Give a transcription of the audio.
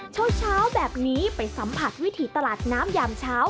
เช้าแบบนี้ไปสัมผัสวิถีตลาดน้ำยามเช้า